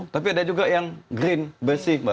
tapi ada juga yang green besi mbak